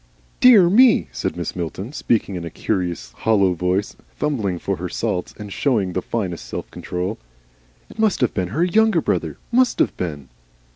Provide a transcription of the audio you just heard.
"Dear me!" said Mrs. Milton, speaking in a curious, hollow voice, fumbling for her salts, and showing the finest self control. "It must have been her YOUNGER brother must have been."